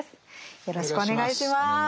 よろしくお願いします。